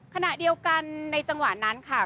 ขณะเดียวกันในจังหวะนั้นค่ะ